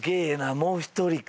もう１人か。